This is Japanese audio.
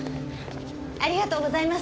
ありがとうございます。